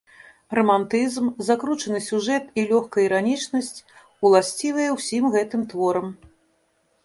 Рамантызм, закручаны сюжэт і лёгкая іранічнасць уласцівыя ўсім гэтым творам.